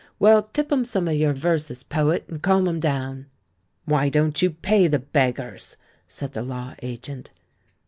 Well, tip 'em some of your verses, poet, and calm 'em down!" "Why don't you pay the beggars?" said the law agent.